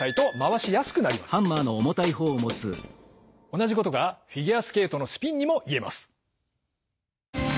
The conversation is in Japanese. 同じことがフィギュアスケートのスピンにも言えます。